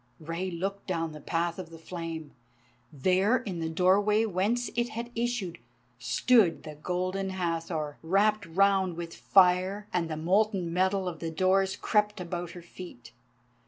Rei looked down the path of the flame. There, in the doorway whence it had issued, stood the Golden Hathor, wrapped round with fire, and the molten metal of the doors crept about her feet.